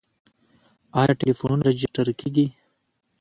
آیا ټلیفونونه راجستر کیږي؟